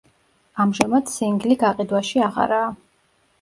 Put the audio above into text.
ამჟამად სინგლი გაყიდვაში აღარაა.